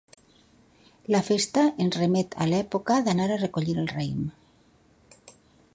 La festa ens remet a l'època d'anar a recollir el raïm.